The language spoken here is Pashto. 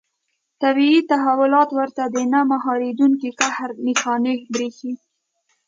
طبیعي تحولات ورته د نه مهارېدونکي قهر نښانې برېښي.